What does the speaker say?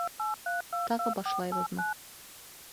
Тағы башлайбыҙмы?